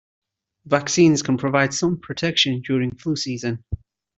Vaccines can provide some protection during flu season.